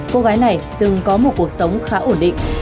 cô gái này từng có một cuộc sống khá ổn định